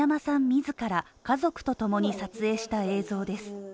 自ら家族とともに撮影した映像です。